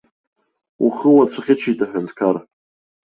Ухы уацәӷьычит, аҳәынҭқар.